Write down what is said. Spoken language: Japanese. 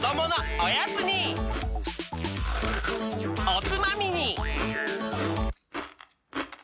おつまみに！